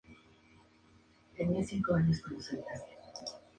Nikko tuvo la oportunidad de servir a Nichiren allí y decidió volverse su discípulo.